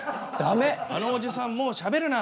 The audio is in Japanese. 「あのおじさんもうしゃべるな！